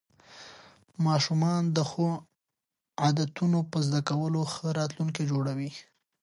ماشومان د ښو عادتونو په زده کولو ښه راتلونکی جوړوي